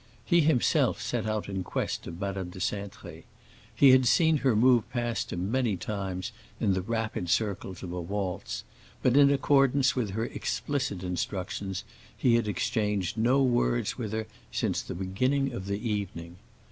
He himself set out in quest of Madame de Cintré. He had seen her move past him many times in the rapid circles of a waltz, but in accordance with her explicit instructions he had exchanged no words with her since the beginning of the evening.